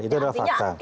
itu adalah fakta